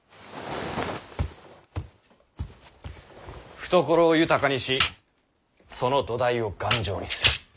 懐を豊かにしその土台を頑丈にする。